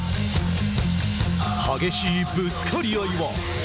激しいぶつかり合いは。